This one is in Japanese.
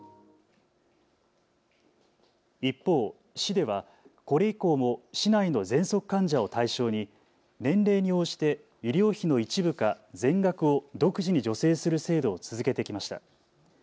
一方、市ではこれ以降も市内のぜんそく患者を対象に年齢に応じて医療費の一部か全額を独自に助成する制度を続けてきました。